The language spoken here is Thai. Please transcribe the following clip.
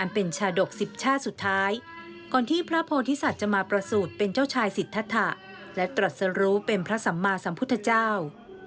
เป็นชาดก๑๐ชาติสุดท้ายก่อนที่พระโพธิสัตว์จะมาประสูจน์เป็นเจ้าชายสิทธาและตรัสรู้เป็นพระสัมมาสัมพุทธเจ้า